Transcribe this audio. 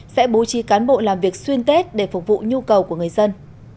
sẽ bố trí cán bộ làm việc xuyên tết để phục vụ nhu cầu của người dân